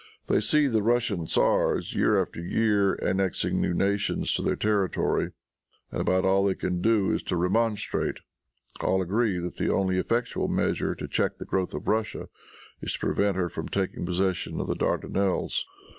They see the Russian tzars, year after year, annexing new nations to their territory, and about all they can do is to remonstrate. All agree that the only effectual measure to check the growth of Russia is to prevent her from taking possession of the Dardanelles.